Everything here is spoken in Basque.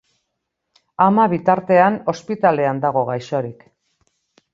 Ama, bitartean, ospitalean dago gaixorik.